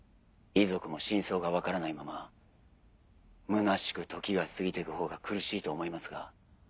遺族も真相が分からないままむなしく時が過ぎて行くほうが苦しいと思いますが。